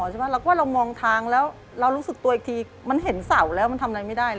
เราก็เรามองทางแล้วเรารู้สึกตัวอีกทีมันเห็นเสาแล้วมันทำอะไรไม่ได้นะ